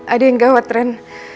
ada yang gawat ren